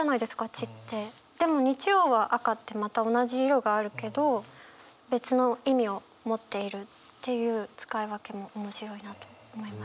でも日曜は「赤」ってまた同じ色があるけど別の意味を持っているっていう使い分けも面白いなと思いました。